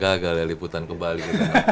gagal ya liputan kembali